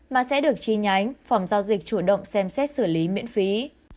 mà sẽ được chi nhánh phòng giao dịch chủ động xem xét xử lý miễn phí